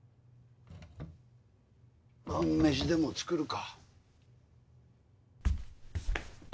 晩メシでも作るか。